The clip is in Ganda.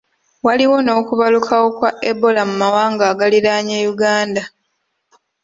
Waliwo n'okubalukawo kwa Ebola mu mawanga agaliraanye Uganda.